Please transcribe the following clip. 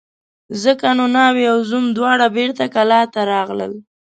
ځکه نو ناوې او زوم دواړه بېرته کلاه ته راغلل.